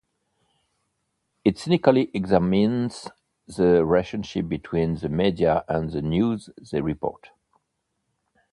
It cynically examines the relationship between the media and the news they report.